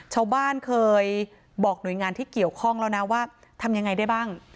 ชาวบ้านเคยบอกหน่วยงานที่เกี่ยวข้องแล้วนะว่าทำยังไงได้บ้าง